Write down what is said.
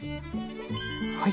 はい。